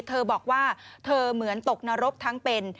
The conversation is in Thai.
เธอบอกว่าเธอเหมือนตกนรกทั้งเป็น